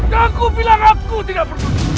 dan aku bilang aku tidak perlu